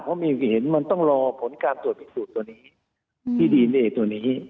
เพราะมีเห็นมันต้องรอผลการตรวจพิสูจน์ตัวนี้ที่ดีเนตัวนี้